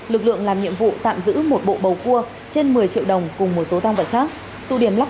lực lượng làm nhiệm vụ tạm giữ một bộ bầu cua trên một mươi triệu đồng cùng một số thang vật khác